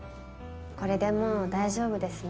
これでもう大丈夫ですね。